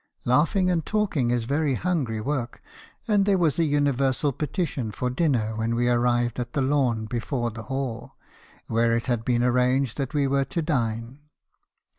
"Laughing and talking is very hungry work, and there was a universal petition for dinner when we arrived at the lawn be fore the hall, where it had been arranged that we were to dine.